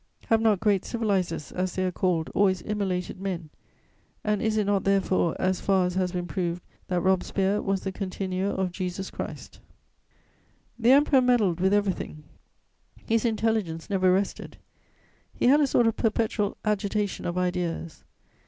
Have not great civilizers, as they are "called," always immolated men, and is it not therefore, as far as has been "proved," that Robespierre was the continuer of Jesus Christ? [Sidenote: Napoleon's popularity.] The Emperor meddled with everything; his intelligence never rested; he had a sort of perpetual agitation of ideas.